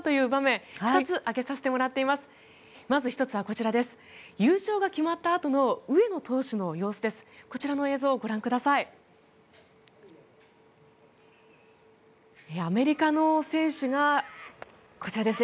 まず１つは、こちら優勝が決まったあとの上野投手の様子です。